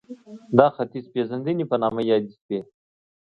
دا ختیځپېژندنې په نامه یادې شوې